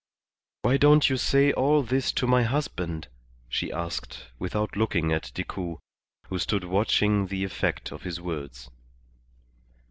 "Why don't you say all this to my husband?" she asked, without looking at Decoud, who stood watching the effect of his words.